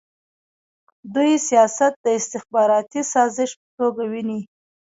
دوی سیاست د استخباراتي سازش په توګه ویني.